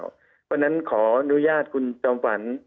เพราะฉะนั้นขออนุญาตคุณจอมฝัน